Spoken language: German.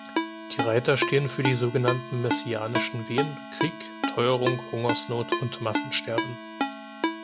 Die Reiter stehen für die so genannten messianischen Wehen "Krieg, Teuerung, Hungersnot" und "Massensterben".